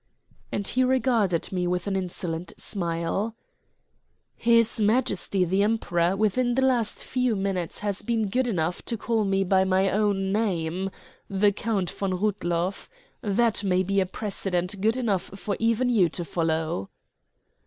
and he regarded me with an insolent smile. "His Majesty the Emperor, within the last few minutes, has been good enough to call me by my own name the Count von Rudloff. That may be a precedent good enough for even you to follow."